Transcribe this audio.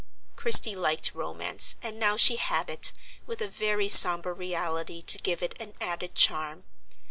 Christie liked romance, and now she had it, with a very sombre reality to give it an added charm.